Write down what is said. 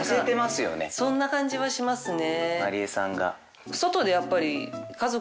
そんな感じはしますね。